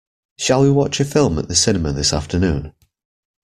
Shall we watch a film at the cinema this afternoon?